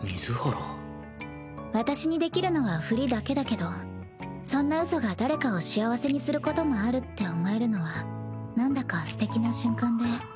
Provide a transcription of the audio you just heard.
私にできるのはふりだけだけどそんなうそが誰かを幸せにすることもあるって思えるのはなんだかすてきな瞬間で。